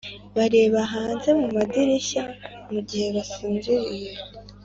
bareba hanze mu madirishya mugihe basinziriye